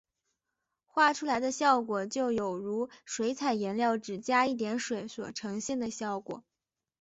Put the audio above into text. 画出来的效果就有如水彩颜料只加一点水所呈现的效果。